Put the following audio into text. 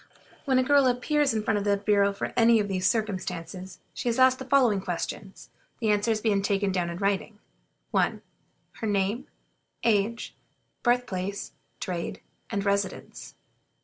When a girl appears before the bureau under any of these circumstances, she is asked the following questions, the answers being taken down in writing: 1. Her name, age, birth place, trade, and residence?